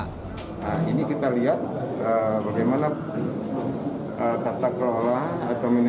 nah ini kita lihat bagaimana kata kelola atau menilai